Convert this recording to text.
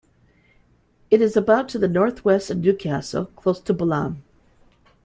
It is about to the north-west of Newcastle, close to Bolam.